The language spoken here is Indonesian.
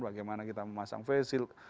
bagaimana kita memasang face shield